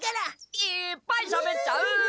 いっぱいしゃべっちゃう。